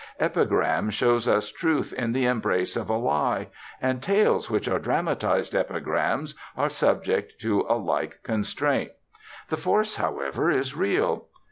Epigram shows us truth in the embrace of a lie, and tales which are dramatized epigrams are subject to a like constraint. The force, however, is real.